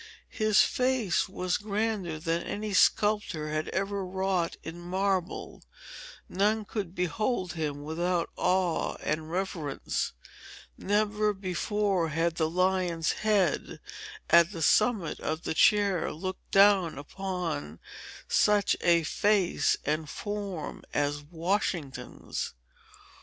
His face was grander than any sculptor had ever wrought in marble; none could behold him without awe and reverence. Never before had the lion's head, at the summit of the chair, looked down upon such a face and form as Washington's!"